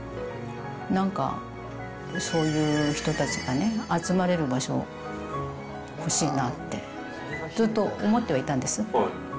なんか、そういう人たちがね、集まれる場所欲しいなって、ずっと思ってはいたんです。